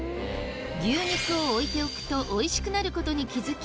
牛肉を置いておくとおいしくなることに気付き